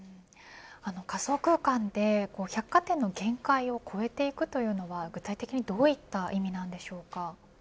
仮想空間で百貨店の限界を超えていくというのは具体的にどういった意味なんでしょうか。